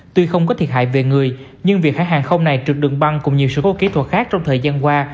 tuy không có thiệt hại về người nhưng việc hãng hàng không này trực đường băng cùng nhiều sự cố kỹ thuật khác trong thời gian qua